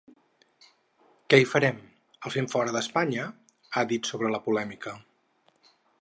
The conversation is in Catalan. Què hi farem? El fem fora d’Espanya?, ha dit sobre la polèmica.